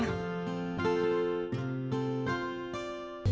tunggu aku mau cari